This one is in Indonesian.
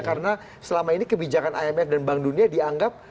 karena selama ini kebijakan imf dan bank dunia dianggap